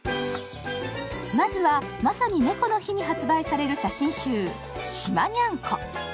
まずは、まさに猫の日に発売される写真集「島にゃんこ」。